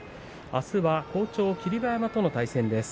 あすは好調の霧馬山との対戦です。